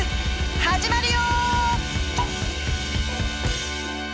始まるよ！